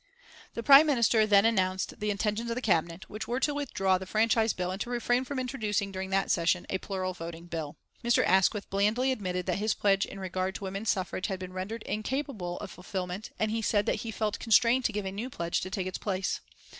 The Prime Minister then announced the intentions of the Cabinet, which were to withdraw the Franchise Bill and to refrain from introducing, during that session, a plural voting bill. Mr. Asquith blandly admitted that his pledge in regard to women's suffrage had been rendered incapable of fulfilment, and he said that he felt constrained to give a new pledge to take its place.